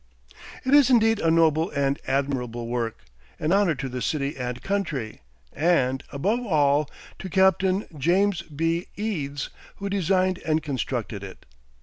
It is indeed a noble and admirable work, an honor to the city and country, and, above all, to Captain James B. Eads, who designed and constructed it.